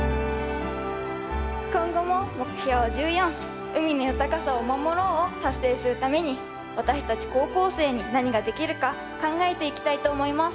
今後も目標１４「海の豊かさを守ろう」を達成するために私たち高校生に何ができるか考えていきたいと思います。